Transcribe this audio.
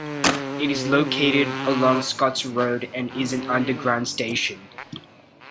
It is located along Scotts Road and is an underground station.